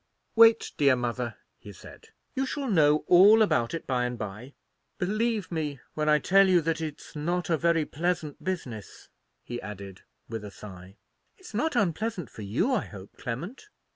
"Wait, dear mother," he said; "you shall know all about it by and by. Believe me, when I tell you that it's not a very pleasant business," he added, with a sigh. "It's not unpleasant for you, I hope, Clement?"